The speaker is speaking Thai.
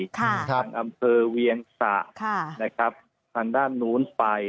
ทางอำเภอเวียงสะทางด้านนู้นไป